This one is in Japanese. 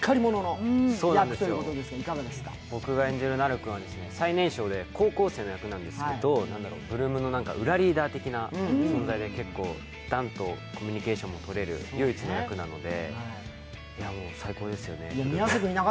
僕が演じる、なる君は最年少で高校生の役なんですけど、８ＬＯＯＭの裏リーダー的な存在で、弾とコミュニケーションがとれる唯一の役なので。